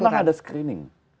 tidak pernah ada screening